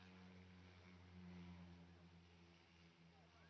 สวัสดีครับ